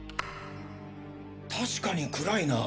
確かに暗いな。